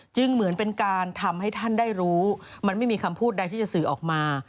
เหมือนเป็นการทำให้ท่านได้รู้มันไม่มีคำพูดใดที่จะสื่อออกมา